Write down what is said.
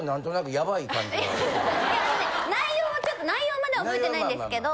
内容はちょっと内容までは覚えてないんですけど。